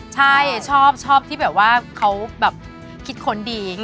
ใช่ชอบที่แบบว่าเขาแบบคิดค้นดี